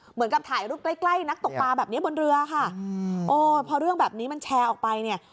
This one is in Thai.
เหมือนกับถ่ายรูปใกล้ใกล้นักตกปลาแบบเนี้ยบนเรือค่ะโอ้พอเรื่องแบบนี้มันแชร์ออกไปเนี่ย